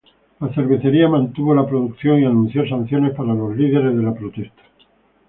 La cervecería mantuvo la producción y anunció sanciones para los líderes de la protesta.